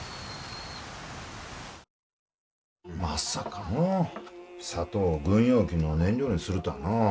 まさかのう砂糖を軍用機の燃料にするたあのう。